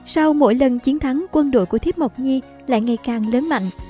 sau mỗi lần chiến thắng quân đội của thiếp mộc nhi lại ngày càng lớn mạnh